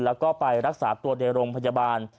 แล้วก็ไปรักษาตัวในโรงพยาบาล